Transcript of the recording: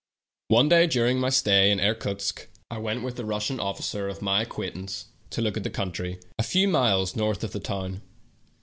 One day during my stay in Irkutsk I w^ent with a Russian officer of my acquaintance to look at the country, a few miles north of the town.